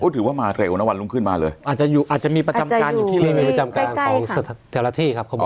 ถือว่ามาเร็วนะวันลุงขึ้นมาเลยอาจจะอยู่อาจจะมีประจำการอยู่ที่ไกลที่ใกล้ครับ